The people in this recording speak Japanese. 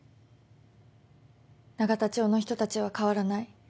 永田町の人たちは変わらない。